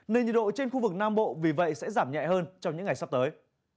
nên nhiệt độ trên khu vực nam bộ vì vậy sẽ giảm nhẹ hơn trong những ngày sắp tới